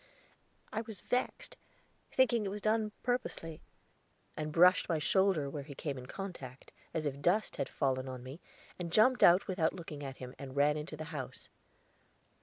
I was vexed, thinking it was done purposely, and brushed my shoulder where he came in contact, as if dust had fallen on me, and jumped out without looking at him, and ran into the house.